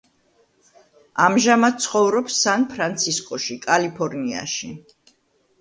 ამჟამად ცხოვრობს სან-ფრანცისკოში, კალიფორნიაში.